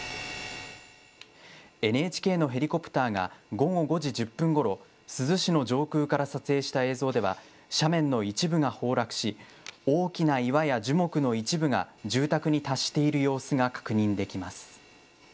ＮＨＫのヘリコプターが午後５時１０分ごろ、珠洲市の上空から撮影した映像では、斜面の一部が崩落し、大きな岩や樹木の一部が住宅に達している様子が確認できます。